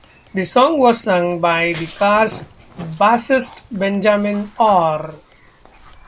The song was sung by the Cars' bassist Benjamin Orr.